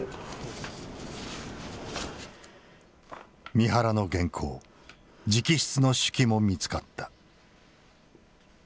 三原の原稿直筆の手記も見つかった。